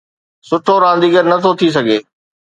سٺو رانديگر نٿو ٿي سگهي،